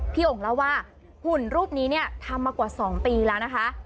องค์เล่าว่าหุ่นรูปนี้เนี่ยทำมากว่า๒ปีแล้วนะคะ